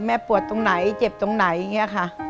ปวดตรงไหนเจ็บตรงไหนอย่างนี้ค่ะ